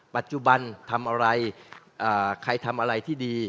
ปัจจุบันทำอะไรใครทำอะไรที่ดี